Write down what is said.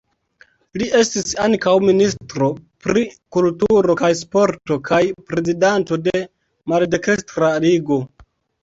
Li estis ankaŭ ministro pri kulturo kaj sporto kaj prezidanto de Maldekstra Ligo.